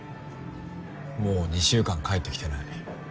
もう２週間帰ってきてない。